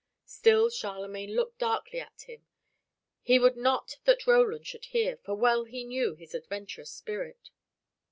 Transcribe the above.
Still Charlemagne looked darkly at him. He would not that Roland should hear, for well he knew his adventurous spirit.